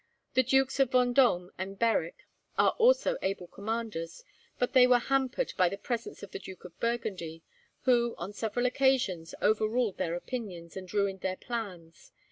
The Dukes of Vendome and Berwick are also able commanders, but they were hampered by the presence of the Duke of Burgundy, who, on several occasions, overruled their opinions and ruined their plans.